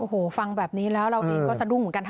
โอ้โหฟังแบบนี้แล้วเราเองก็สะดุ้งเหมือนกัน